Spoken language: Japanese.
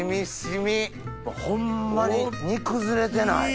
ホンマに煮崩れてない。